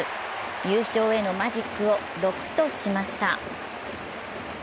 優勝へのマジックを６としました。